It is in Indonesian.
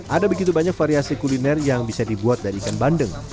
ada begitu banyak variasi kuliner yang bisa dibuat dari ikan bandeng